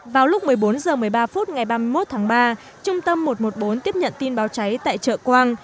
vào lúc một mươi bốn h một mươi ba phút ngày ba mươi một tháng ba trung tâm một trăm một mươi bốn tiếp nhận tin báo cháy tại chợ quang